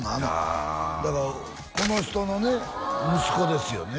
ああこの人のね息子ですよね